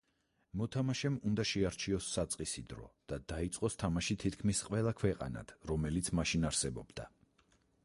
მოთამაშემ უნდა შეარჩიოს საწყისი დრო და დაიწყოს თამაში თითქმის ყველა ქვეყანად რომელიც მაშინ არსებობდა.